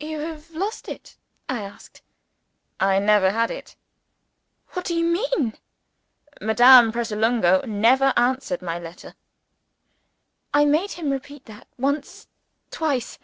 "You have lost it?" I asked. "I never had it." "What do you mean?" "Madame Pratolungo never answered my letter." I made him repeat that once, twice.